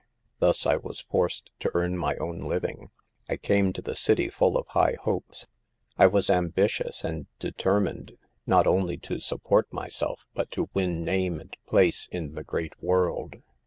Thus I was forced to earn my own living. I came to the city full of high hopes. I was ambitious, and deter mined, not only to support myself, but to win name and place in the great world.